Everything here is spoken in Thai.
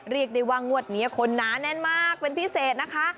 เรียกได้ว่างวดนี้คนหนาแน่นมากเป็นพิเศษนะคะ